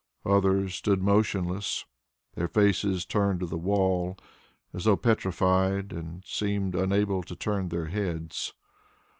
Others stood motionless, their faces turned to the wall, as though petrified, and seemed unable to turn their heads.